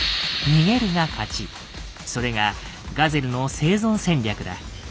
それがガゼルの生存戦略だ。